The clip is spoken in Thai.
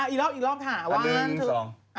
อีกรอบอีกรอบถามว่า